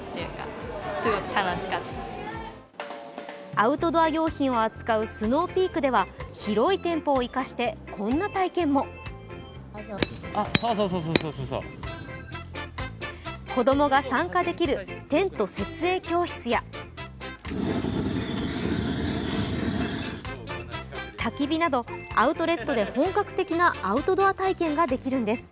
アウトドア用品を扱うスノーピークでは、広い店舗を生かして、こんな体験も子供が参加できるテント設営教室やたき火などアウトレットで本格的なアウトドア体験ができるんです。